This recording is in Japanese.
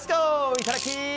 いただき！